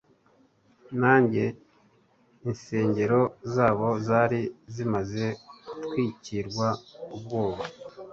Nanjye insengero zabo zari zimaze gutwikirwa ubwoba